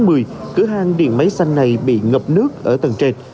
sau đó cửa hàng điện máy xanh bị ngập nước ở tầng trệt